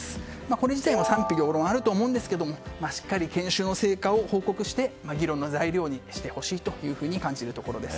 これ自体には賛否両論あると思うんですけれどもしっかり研修の成果を報告して議論の材料にしてほしいと感じるところです。